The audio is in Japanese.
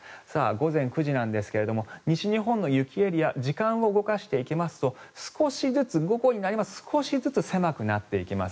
午前９時なんですが西日本の雪エリア時間を動かしていきますと午後になりますと少しずつ狭くなっていきます。